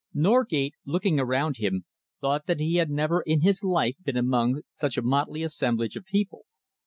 Norgate, looking around him, thought that he had never in his life been among such a motley assemblage of people.